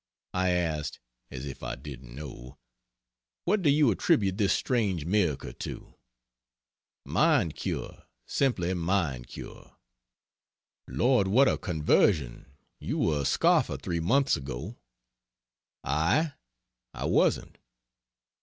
I asked (as if I didn't know): "What do you attribute this strange miracle to?" "Mind cure simply mind cure." "Lord, what a conversion! You were a scoffer three months ago." "I? I wasn't."